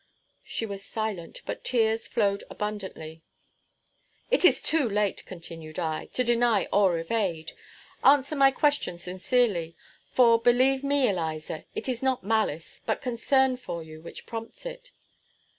She was silent, but tears flowed abundantly. "It is too late," continued I, "to deny or evade. Answer my question sincerely; for, believe me, Eliza, it is not malice, but concern for you, which prompts it."